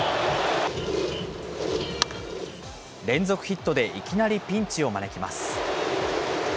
連続ヒットでいきなりピンチを招きます。